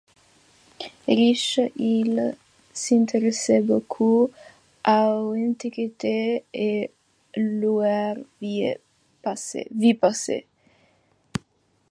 Riche, il s’intéresse beaucoup aux antiquités et à leur vie passée.